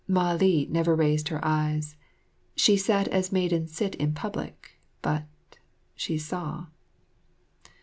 Mah li never raised her eyes; she sat as maidens sit in public, but she saw.